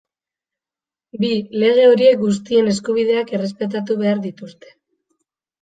Bi, lege horiek guztien eskubideak errespetatu behar dituzte.